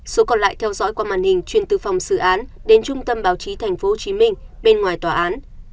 số còn lại theo dõi qua màn hình truyền từ phòng xử án đến trung tâm báo chí tp hcm bên ngoài tòa án